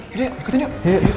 yuk ikutin yuk